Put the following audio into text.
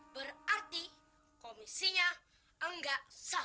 berarti komisinya enggak sah